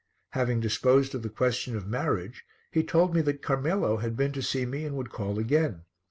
Having disposed of the question of marriage he told me that Carmelo had been to see me and would call again.